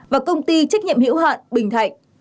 và công ty trách nhiệm hiểu hạn bình thạnh